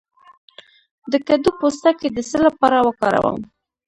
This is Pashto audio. د کدو پوستکی د څه لپاره وکاروم؟